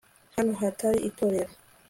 hano hari itorero